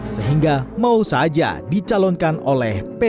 sehingga mau saja dicalonkan oleh p tiga